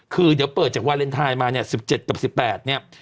คือเดี๋ยวเปิดจากวาเลนไทยมาเนี่ย๑๗กับ๑๘เนี่ย